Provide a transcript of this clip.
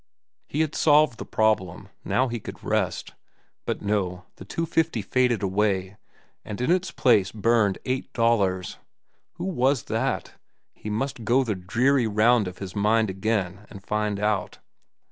He had solved the problem; now he could rest. But no, the "$2.50" faded away, and in its place burned "$8.00." Who was that? He must go the dreary round of his mind again and find out.